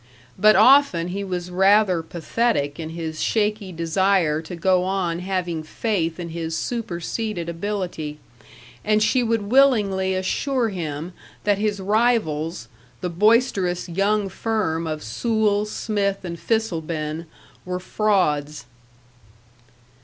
But often he was rather pathetic in his shaky desire to go on having faith in his superseded ability, and she would willingly assure him that his rivals, the boisterous young firm of Soule, Smith & Fissleben, were frauds.